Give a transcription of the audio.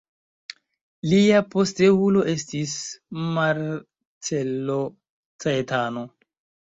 Lia posteulo estis Marcello Caetano.